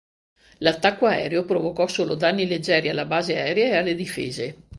L'attacco aereo provocò solo danni leggeri alla base aerea e alle difese.